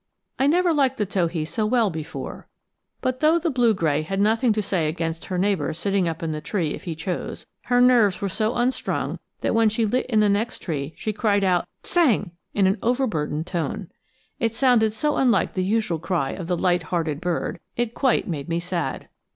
I never liked the towhee so well before. But though the blue gray had nothing to say against her neighbor sitting up in the tree if he chose, her nerves were so unstrung that when she lit in the next tree she cried out "tsang" in an overburdened tone. It sounded so unlike the usual cry of the light hearted bird, it quite made me sad.